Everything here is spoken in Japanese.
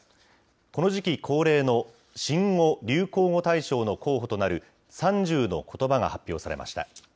この時期恒例の新語・流行語大賞の候補となる３０のことばが発表されました。